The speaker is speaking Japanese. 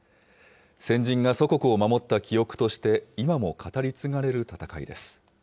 先人が祖国を守った記憶として、今も語り継がれる戦いです。